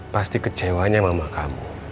pasti kecewaannya mama kamu